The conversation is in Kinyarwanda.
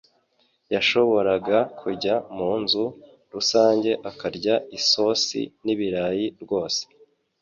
Yashoboraga kujya munzu rusange akarya isosi n'ibirayi rwose